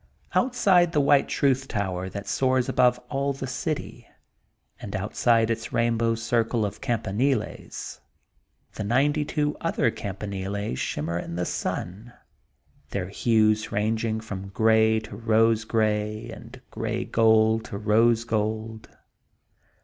Outside ttie white Truth Tower that soars above all the city, and THE GOLDEN BOOK OF SPRINGFIELD 79 outside its rainbow circle of campaniles^ the ninety two other campaniles shimmer in the snn, their hues ranging from grey to rose grey, and grey gold to rose gold.